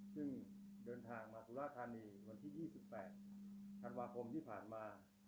ซึ่งเดินทางมาสุราธานีวันที่๒๘ธันวาคมที่ผ่านมา